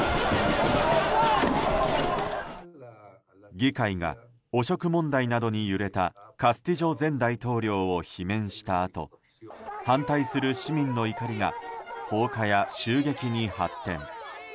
議会が汚職問題などに揺れたカスティジョ前大統領を罷免したあと反対する市民の怒りが放火や襲撃に発展。